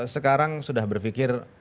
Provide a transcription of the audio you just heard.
sekarang sudah berpikir